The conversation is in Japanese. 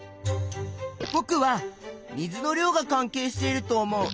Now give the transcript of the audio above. ぼくは水の量が関係していると思う。